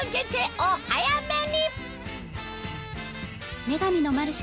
お早めに！